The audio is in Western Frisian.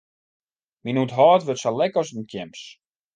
Myn ûnthâld wurdt sa lek as in tjems.